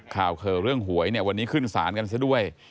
ข่าวเข่าเรื่องหวยเนี่ยวันนี้ขึ้นศาลกันซะด้วย